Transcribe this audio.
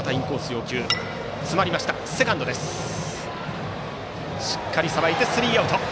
セカンドしっかりさばいてスリーアウト。